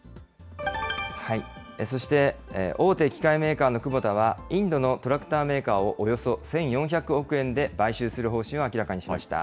そして大手機械メーカーのクボタは、インドのトラクターメーカーをおよそ１４００億円で買収する方針を明らかにしました。